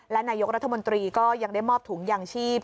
และนายกรัฐมนตรีก็ยังได้มอบถุงยางชีพ